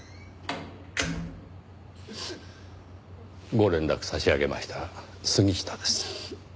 ご連絡差し上げました杉下です。